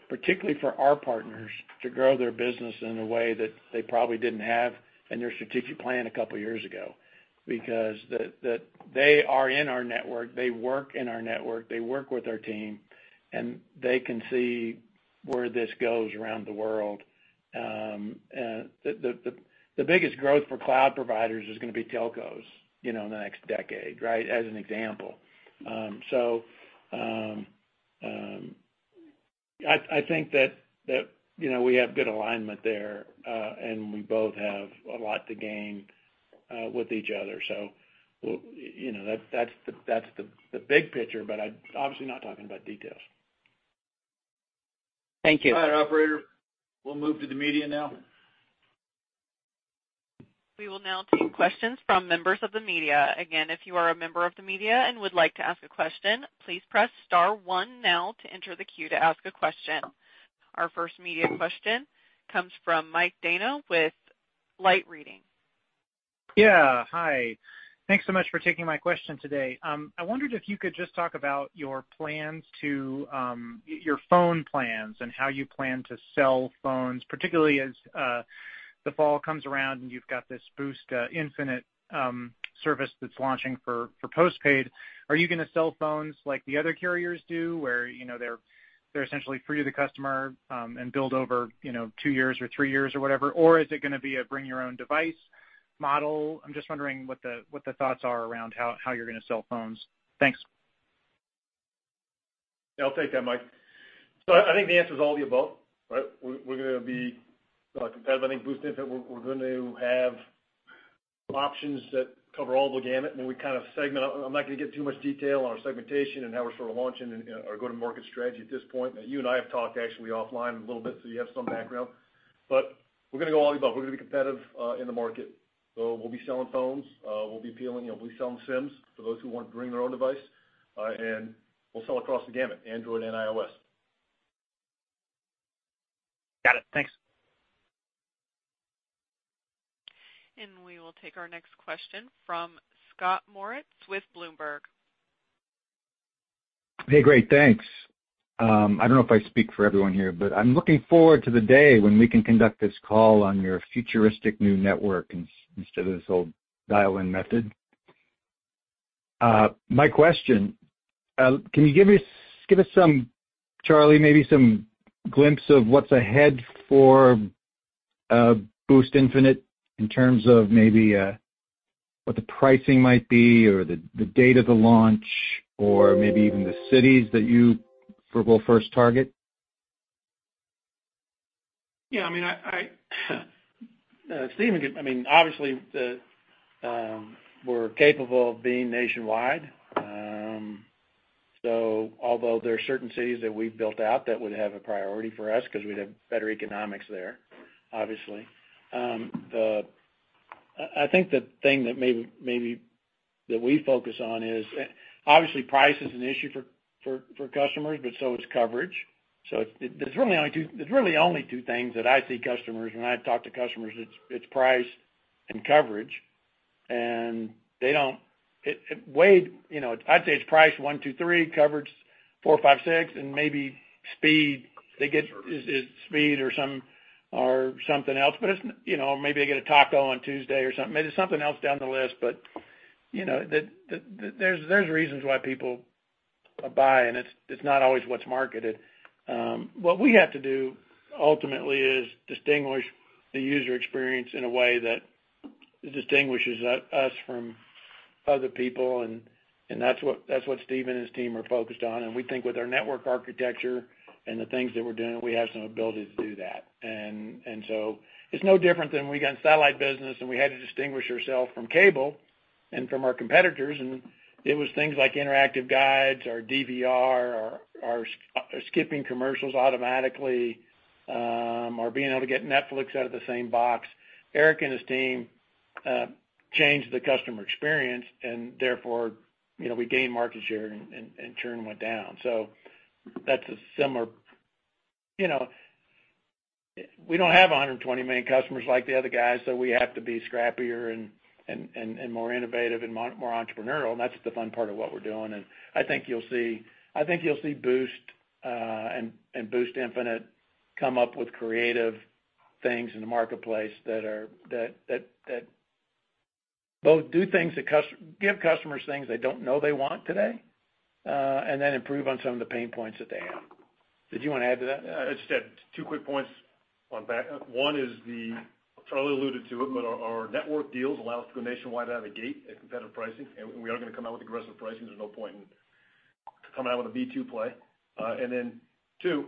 particularly for our partners, to grow their business in a way that they probably didn't have in their strategic plan a couple years ago. Because they are in our network, they work in our network, they work with our team, and they can see where this goes around the world. The biggest growth for cloud providers is gonna be telcos, you know, in the next decade, right? As an example. I think that, you know, we have good alignment there, and we both have a lot to gain with each other. Well, You know, that's the big picture, but I'm obviously not talking about details. Thank you. All right, operator. We'll move to the media now. We will now take questions from members of the media. Again, if you are a member of the media and would like to ask a question, please press star one now to enter the queue to ask a question. Our first media question comes from Mike Dano with Light Reading. Yeah. Hi. Thanks so much for taking my question today. I wondered if you could just talk about your plans to your phone plans and how you plan to sell phones, particularly as the fall comes around and you've got this Boost Infinite service that's launching for postpaid. Are you gonna sell phones like the other carriers do, where, you know, they're essentially free to the customer and billed over, you know, two years or three years or whatever, or is it gonna be a bring your own device model? I'm just wondering what the thoughts are around how you're gonna sell phones. Thanks. Yeah, I'll take that, Mike. I think the answer is all of the above, right? We're gonna be competitive. I think Boost Infinite, we're going to have options that cover all the gamut, and then we kind of segment. I'm not gonna get in too much detail on our segmentation and how we're sort of launching and, you know, our go-to-market strategy at this point. You and I have talked actually offline a little bit, so you have some background. We're gonna go all of the above. We're gonna be competitive in the market. We'll be selling phones. We'll be appealing. You know, we sell SIMs for those who want to bring their own device. And we'll sell across the gamut, Android and iOS. Got it. Thanks. We will take our next question from Scott Moritz with Bloomberg. Hey. Great. Thanks. I don't know if I speak for everyone here, but I'm looking forward to the day when we can conduct this call on your futuristic new network instead of this old dial-in method. My question, can you give us some, Charlie, maybe some glimpse of what's ahead for Boost Infinite in terms of maybe what the pricing might be, or the date of the launch, or maybe even the cities that you'll first target? Yeah, I mean, obviously, we're capable of being nationwide. Although there are certain cities that we've built out that would have a priority for us 'cause we'd have better economics there, obviously, I think the thing that maybe that we focus on is, obviously, price is an issue for customers, but so is coverage. There's really only two things that I see customers when I talk to customers, it's price and coverage. It weighs, you know, I'd say it's price one, two, three, coverage four, five, six, and maybe speed they get is speed or something else. You know, maybe they get a taco on Tuesday or something. Maybe something else down the list, but you know, there are reasons why people buy, and it's not always what's marketed. What we have to do ultimately is distinguish the user experience in a way that distinguishes us from other people, and that's what Steve and his team are focused on. We think with our network architecture and the things that we're doing, we have some ability to do that. It's no different than we got in satellite business, and we had to distinguish ourselves from cable and from our competitors. It was things like interactive guides or DVR or skipping commercials automatically, or being able to get Netflix out of the same box. Erik and his team changed the customer experience, and therefore, you know, we gained market share and churn went down. That's a similar, you know. We don't have 120 million customers like the other guys, so we have to be scrappier and more innovative and more entrepreneurial, and that's the fun part of what we're doing. I think you'll see Boost and Boost Infinite come up with creative things in the marketplace that both do things that give customers things they don't know they want today, and then improve on some of the pain points that they have. Did you wanna add to that? Yeah, I just had two quick points on that. One is, Charlie alluded to it, but our network deals allow us to go nationwide out of the gate at competitive pricing, and we are gonna come out with aggressive pricing. There's no point in coming out with a me-too play. Two,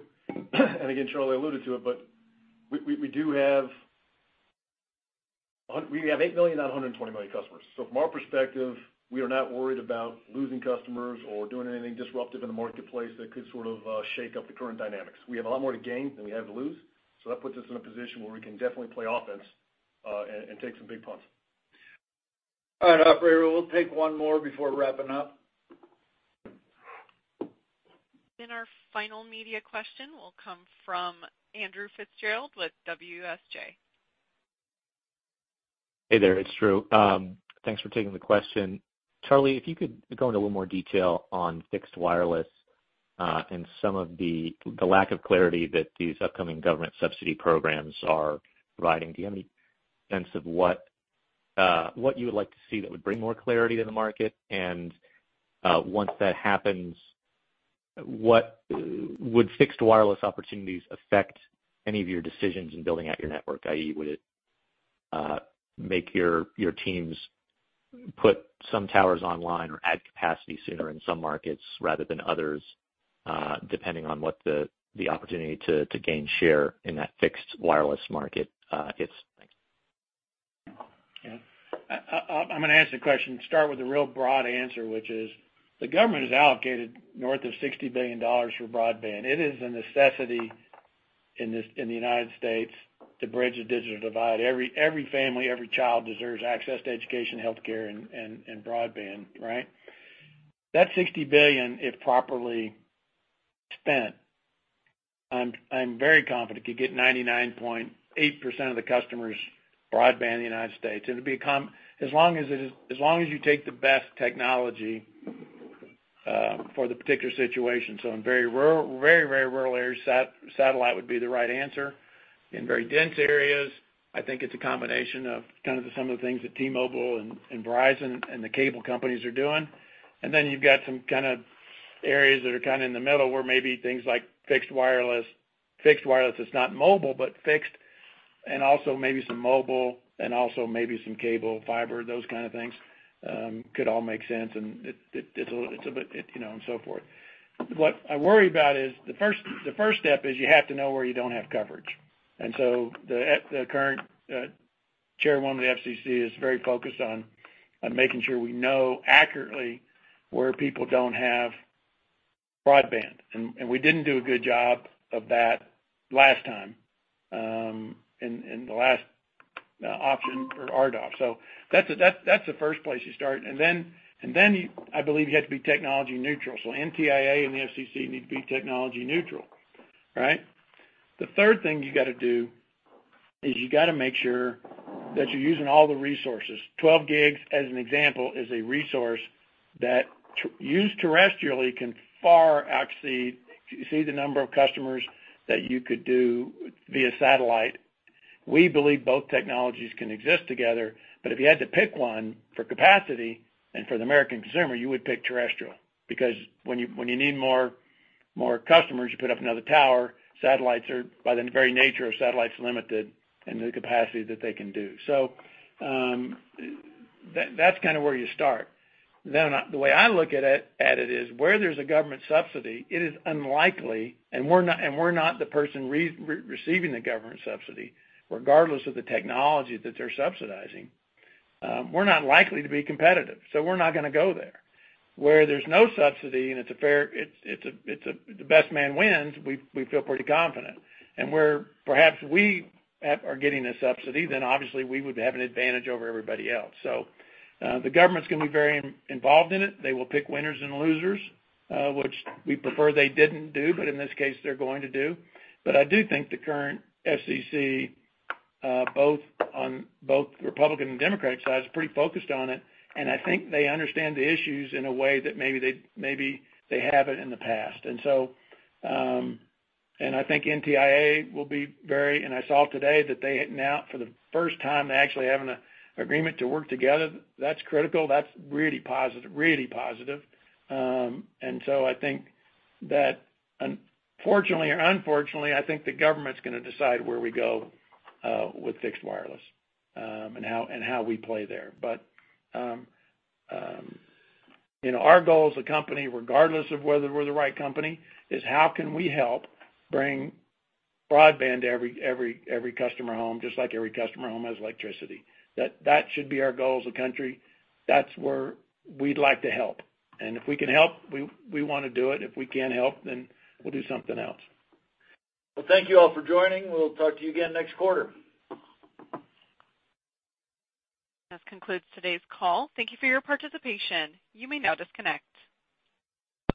and again, Charlie alluded to it, but we do have 8 million, not 120 million customers. So from our perspective, we are not worried about losing customers or doing anything disruptive in the marketplace that could sort of shake up the current dynamics. We have a lot more to gain than we have to lose, so that puts us in a position where we can definitely play offense and take some big punts. All right, operator, we'll take one more before wrapping up. Our final media question will come from Drew FitzGerald with WSJ. Hey there, it's Drew. Thanks for taking the question. Charlie, if you could go into a little more detail on fixed wireless, and some of the lack of clarity that these upcoming government subsidy programs are providing. Do you have any sense of what you would like to see that would bring more clarity to the market? Once that happens, what would fixed wireless opportunities affect any of your decisions in building out your network? I.e., would it make your teams put some towers online or add capacity sooner in some markets rather than others, depending on what the opportunity to gain share in that fixed wireless market is? Thanks. Yeah. I'm gonna answer the question, start with a real broad answer, which is the government has allocated north of $60 billion for broadband. It is a necessity in the United States to bridge the digital divide. Every family, every child deserves access to education, health care, and broadband, right? That $60 billion, if properly spent, I'm very confident could get 99.8% of the customers broadband in the United States. It'll be as long as you take the best technology for the particular situation. In very rural areas, satellite would be the right answer. In very dense areas, I think it's a combination of kind of some of the things that T-Mobile and Verizon and the cable companies are doing. You've got some kinda areas that are kinda in the middle where maybe things like fixed wireless. Fixed wireless is not mobile, but fixed and also maybe some mobile and also maybe some cable, fiber, those kind of things, could all make sense and it's a bit, you know, and so forth. What I worry about is the first step is you have to know where you don't have coverage. The current chair, one of the FCC is very focused on making sure we know accurately where people don't have broadband. We didn't do a good job of that last time, in the last option for RDOF. That's the first place you start. I believe you have to be technology neutral. NTIA and the FCC need to be technology neutral, right? The third thing you gotta do is you gotta make sure that you're using all the resources. 12 GHz, as an example, is a resource that used terrestrially can far exceed the number of customers that you could do via satellite. We believe both technologies can exist together. If you had to pick one for capacity and for the American consumer, you would pick terrestrial because when you need more customers, you put up another tower. Satellites are, by the very nature of satellites, limited in the capacity that they can do. That's kinda where you start. The way I look at it is, where there's a government subsidy, it is unlikely, and we're not the person receiving the government subsidy, regardless of the technology that they're subsidizing, we're not likely to be competitive, so we're not gonna go there. Where there's no subsidy and it's the best man wins, we feel pretty confident. Where perhaps we are getting a subsidy, then obviously we would have an advantage over everybody else. The government's gonna be very involved in it. They will pick winners and losers, which we prefer they didn't do, but in this case they're going to do. I do think the current FCC, both Republican and Democratic side is pretty focused on it, and I think they understand the issues in a way that maybe they haven't in the past. I think NTIA will be very, and I saw today that they now for the first time they actually have an agreement to work together. That's critical. That's really positive. I think that, and fortunately or unfortunately, I think the government's gonna decide where we go with fixed wireless, and how we play there. You know, our goal as a company, regardless of whether we're the right company, is how can we help bring broadband to every customer home, just like every customer home has electricity. That should be our goal as a country. That's where we'd like to help. If we can help, we wanna do it. If we can't help, we'll do something else. Well, thank you all for joining. We'll talk to you again next quarter. This concludes today's call. Thank you for your participation. You may now disconnect.